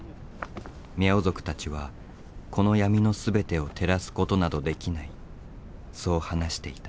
ミャオ族たちはこの闇の全てを照らすことなどできないそう話していた。